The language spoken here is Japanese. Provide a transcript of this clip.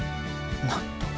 なんと。